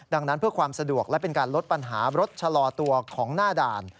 ดังนั้นเพื่อความสะดวกและเป็นการลดปัญหารถชะลอตัวของหน้าด่าน